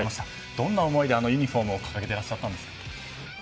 どんな思いであのユニホームを掲げていらっしゃったんですか。